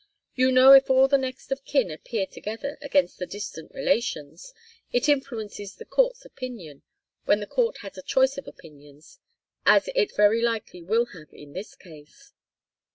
You know if all the next of kin appear together against the distant relations, it influences the court's opinion, when the court has a choice of opinions, as it very likely will have in this case."